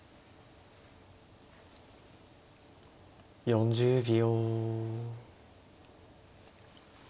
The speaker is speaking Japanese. ４０秒。